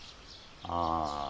ああ。